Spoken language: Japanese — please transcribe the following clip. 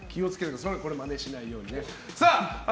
これはまねしないようにね。